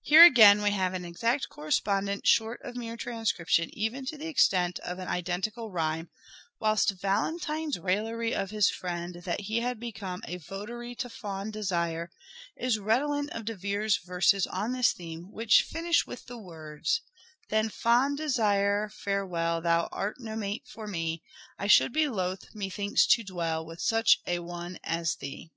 Here again we have an exact correspondence short of mere transcription, even to the extent of an identical rhyme ; whilst Valentine's raillery of his friend, that he had become " a votary to Fond Desire," is redolent of De Vere's verses on this theme, which finish with the words :" Then Fond Desire farewell, Thou art no mate for me, I should be loath, methinks, to dwell, With such a one as thee."